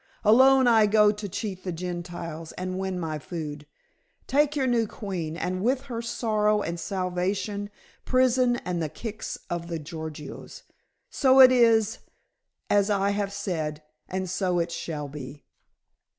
"Alone I go to cheat the Gentiles and win my food. Take your new queen, and with her sorrow and starvation, prison, and the kicks of the Gorgios. So it is, as I have said, and so it shall be."